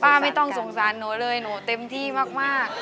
ไม่ต้องสงสารหนูเลยหนูเต็มที่มาก